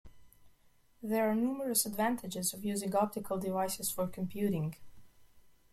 There are numerous advantages of using optical devices for computing.